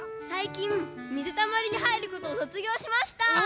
最近みずたまりにはいることを卒業しました！